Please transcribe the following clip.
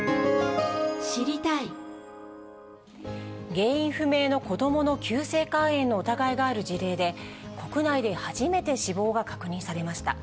原因不明の子どもの急性肝炎の疑いがある事例で、国内で初めて死亡が確認されました。